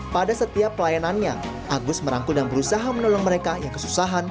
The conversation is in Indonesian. pada setiap pelayanannya agus merangkul dan berusaha menolong mereka yang kesusahan